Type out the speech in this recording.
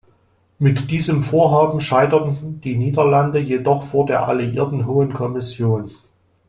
Mit diesem Vorhaben scheiterten die Niederlande jedoch vor der Alliierten Hohen Kommission.